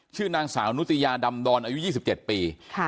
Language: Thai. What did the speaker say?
ชื่อนางสาวนุติยาดำดอนอายุ๒๗ปี